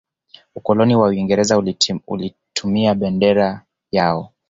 ukoloni wa uingereza ulitumia bendera yao